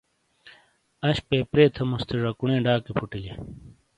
اشپے پرے تھموس تھے ژاکونے ڈاکی فوٹیلے